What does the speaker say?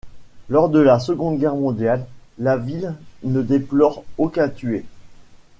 Lors de la Seconde Guerre mondiale, la ville ne déplore aucun tué.